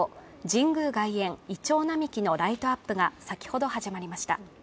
神宮外苑いちょう並木のライトアップが先ほど始まりました。